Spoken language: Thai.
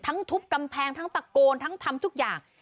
ทุบกำแพงทั้งตะโกนทั้งทำทุกอย่าง